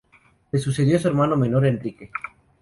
Le sucedió su hermano menor, Enrique.